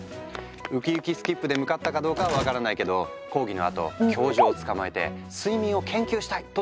ウキウキスキップで向かったかどうかは分からないけど講義のあと教授をつかまえて「睡眠を研究したい！」とじか談判。